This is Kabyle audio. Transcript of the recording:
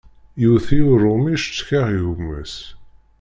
Iwwet-iyi uṛumi, cetkaɣ i gma-s.